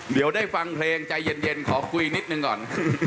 เดี๋ยวได้ฟังเพลงใจเย็นขอคุยนิดนึงก่อน